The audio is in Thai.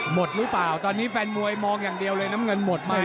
หมดหรือเปล่าตอนนี้แฟนมวยมองอย่างเดียวเลยน้ำเงินหมดไหม